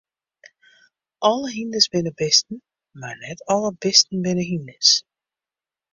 Alle hynders binne bisten, mar net alle bisten binne hynders.